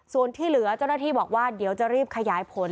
ส่วนที่เหลือเจ้าหน้าที่บอกว่าเดี๋ยวจะรีบขยายผล